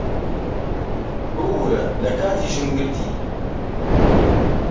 ببوورە لە کاتیشم گرتی.